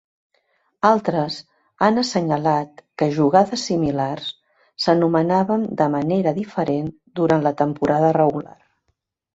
Altres han assenyalat que jugades similars s'anomenaven de manera diferent durant la temporada regular.